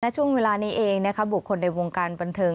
ช่วงเวลานี้เองบุคคลในวงการบันเทิง